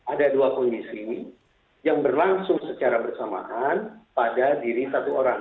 ada dua kondisi yang berlangsung secara bersamaan pada diri satu orang